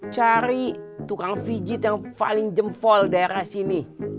cari tukang vigit yang paling jempol daerah sini